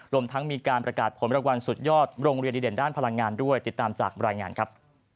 รวมทั้งมีการประกาศผลรางวัลสุดยอดโรงเรียนดีเด่นด้านพลังงานด้วยติดตามจากรายงานครับ